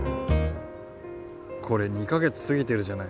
これ２か月過ぎてるじゃない。